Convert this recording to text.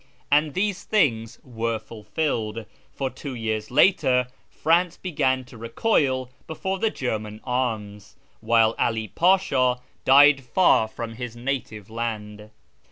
And these things were fulfilled ; for two years later France began to recoil before the Gorman arms, while 'All Pasht'i died far from his native land.